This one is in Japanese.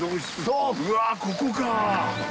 うわここか。